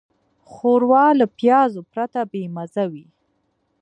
ښوروا له پیازو پرته بېمزه وي.